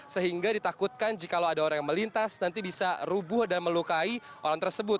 sehingga ditakutkan jika ada orang yang melintas nanti bisa rubuh dan melukai orang tersebut